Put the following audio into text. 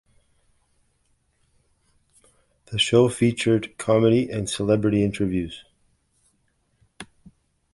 The show featured comedy and celebrity interviews.